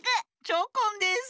チョコンです。